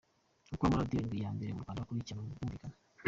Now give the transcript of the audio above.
Uko amaradiyo arindwi ya mbere mu Rwanda akurikirana mu kumvikana:.